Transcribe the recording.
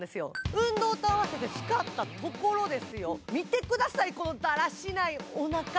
運動とあわせて使ったところですよ、見てくださいよ、このだらしないおなか。